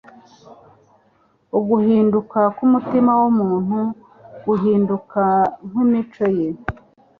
Uguhinduka k'umutima w'umuntu, guhinduka kw'imico ye,